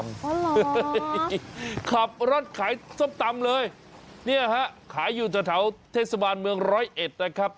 เพราะเหรอขับรถขายส้มตำเลยเนี่ยฮะขายอยู่แถวเทศบาลเมืองร้อยเอ็ดนะครับ